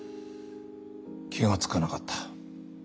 気が付かなかった。